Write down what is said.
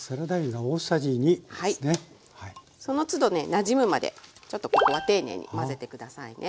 そのつどなじむまでちょっとここは丁寧に混ぜて下さいね。